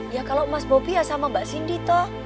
ya kalau mas bobby ya sama mbak cindy toh